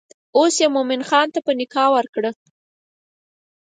اوس یې مومن خان ته په نکاح ورکړه.